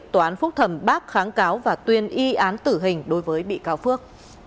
tòa án phúc thẩm bác kháng cáo và tuyên y án tử hình đối với bị cáo phước